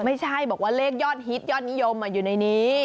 ไม่ใช่บอกว่าเลขยอดฮิตยอดนิยมอยู่ในนี้